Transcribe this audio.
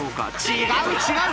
違う違う！